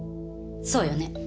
そうよね？